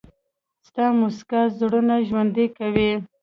• ستا موسکا زړونه ژوندي کوي.